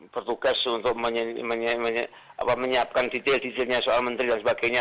bertugas untuk menyiapkan detail detailnya soal menteri dan sebagainya